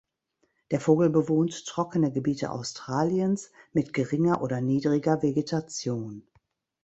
Der Vogel bewohnt trockene Gebiete Australiens mit geringer oder niedriger Vegetation.